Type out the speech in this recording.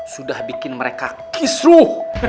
sudah bikin mereka kisruh